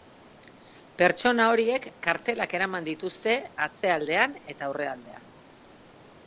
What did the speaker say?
Pertsona horiek kartelak eraman dituzte atzealdean eta aurrealdean.